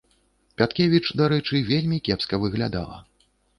Пяткевіч, дарэчы, вельмі кепска выглядала.